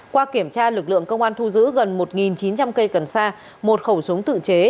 qua kiểm tra lực lượng công an thu giữ gần một chín trăm linh cây cần sa một khẩu súng tự chế